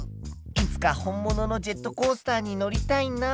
いつか本物のジェットコースターに乗りたいな。